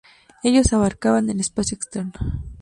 Ellos abarcan el "espacio externo".